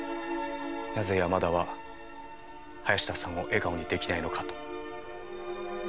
「なぜ山田は林田さんを笑顔にできないのか？」と。